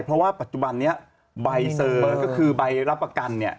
เพราะว่าปัจจุบันนี้ใบเสิร์ฟก็คือใบรับประกันเนี่ย